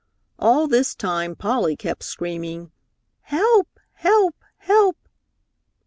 All this time Polly kept screaming, "Help! Help! Help!"